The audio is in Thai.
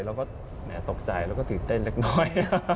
เราก็ตกใจแล้วก็ตื่นเต้นเล็กน้อย